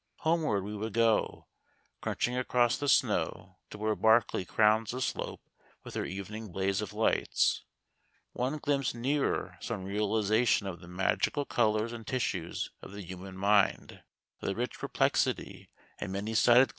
Homeward we would go, crunching across the snow to where Barclay crowns the slope with her evening blaze of lights, one glimpse nearer some realization of the magical colours and tissues of the human mind, the rich perplexity and many sided glamour of life.